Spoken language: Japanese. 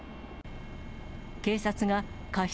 警察が過失